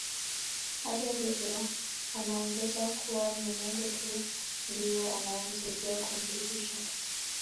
Hata hivyo anaongeza kuwa ni Mungu tu ndiye anayemsaidia kumpitisha